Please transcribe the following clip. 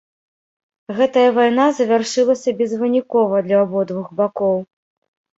Гэтая вайна завяршылася безвынікова для абодвух бакоў.